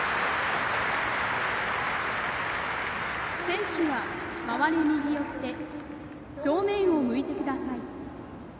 選手は回れ右をして正面を向いてください。